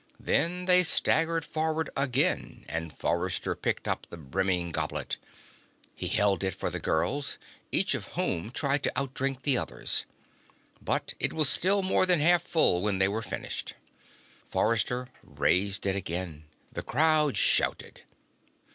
Then they staggered forward again and Forrester picked up the brimming goblet. He held it for the girls, each of whom tried to outdrink the others. But it was still more than half full when they were finished. Forrester raised it again. The crowd shouted.